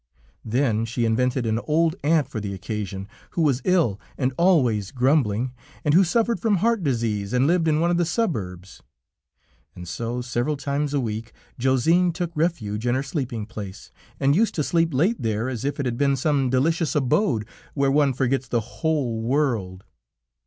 Then she invented an old aunt for the occasion, who was ill and always grumbling, and who suffered from heart disease and lived in one of the suburbs, and so several times a week Josine took refuge in her sleeping place, and used to sleep late there as if it had been some delicious abode where one forgets the whole world.